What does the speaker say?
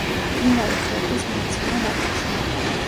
მდინარე თერგის მარცხენა ნაპირზე.